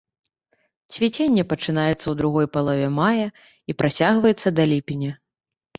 Цвіценне пачынаецца ў другой палове мая і працягваецца да ліпеня.